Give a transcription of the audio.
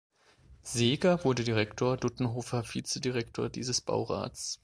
Seeger wurde Direktor, Duttenhofer Vizedirektor dieses Baurats.